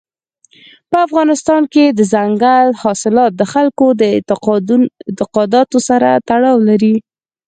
په افغانستان کې دځنګل حاصلات د خلکو د اعتقاداتو سره تړاو لري.